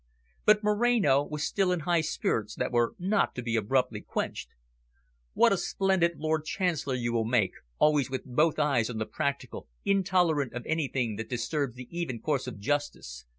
But Moreno was still in high spirits that were not to be abruptly quenched. "What a splendid Lord Chancellor you will make, always with both eyes on the practical, intolerant of anything that disturbs the even course of justice.